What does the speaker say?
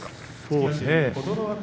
そうですね。